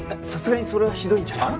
さすがにそれはひどいんじゃ。